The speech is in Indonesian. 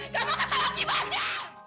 kamu akan terlaki banyak